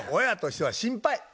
親としては心配。